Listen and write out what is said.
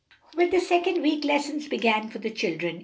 With the second week lessons began for the children.